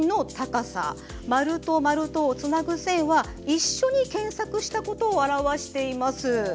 丸と丸とをつなぐ線は一緒に検索したことを表しています。